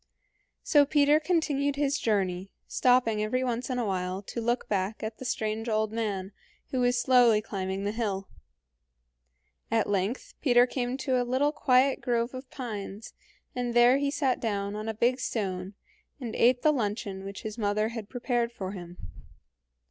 So Peter continued his journey, stopping every once in a while to look back at the strange old man, who was slowly climbing the hill. At length Peter came to a little quiet grove of pines, and there he sat down on a big stone and ate the luncheon which his mother had prepared for him.